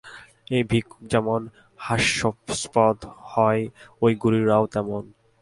এই ভিক্ষুক যেমন হাস্যাস্পদ হয়, ঐ গুরুরাও তেমনি।